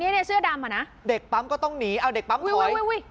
เด็กปั๊มก็ต้องหนีเอาเด็กปั๊มถอย